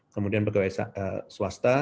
kemudian pegawai swasta